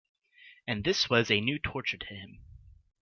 And this was a new torture to him.